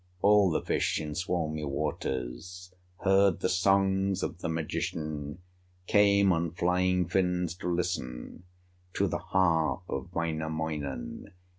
All the fish in Suomi waters Heard the songs of the magician, Came on flying fins to listen To the harp of Wainamoinen.